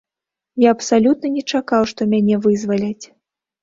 Я абсалютна не чакаў, што мяне вызваляць.